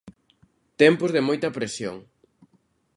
Tempos de moita presión.